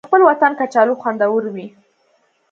د خپل وطن کچالو خوندور وي